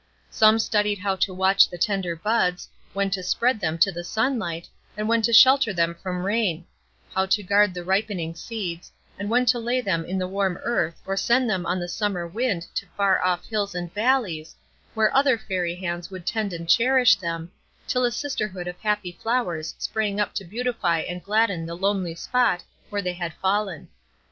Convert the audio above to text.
Some studied how to watch the tender buds, when to spread them to the sunlight, and when to shelter them from rain; how to guard the ripening seeds, and when to lay them in the warm earth or send them on the summer wind to far off hills and valleys, where other Fairy hands would tend and cherish them, till a sisterhood of happy flowers sprang up to beautify and gladden the lonely spot where they had fallen.